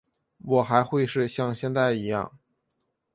我还会是像现在一样